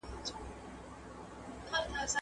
کاروونکي کولای شي دا مواد خوندي کړي.